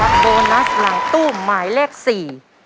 ว่าจะได้โบนัสหลังตู้หมายเลขสี่